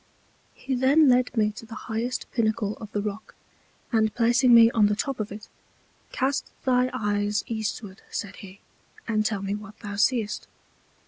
He then led me to the highest Pinnacle of the Rock, and placing me on the Top of it, Cast thy Eyes Eastward, said he, and tell me what thou seest.